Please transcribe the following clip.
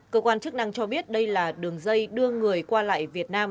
cơ quan chức năng cho biết đây là đường dây đưa người qua lại việt nam